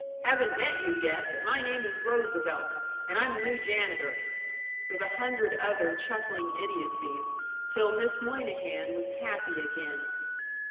Haven't met you yet, but my name is Roosevelt, and I'm the new janitor," with a hundred other chuckling idiocies, till Miss Moynihan was happy again.